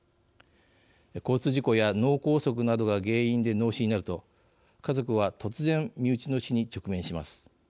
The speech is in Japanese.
交通事故や脳梗塞などが原因で脳死になると家族は突然、身内の死に直面します。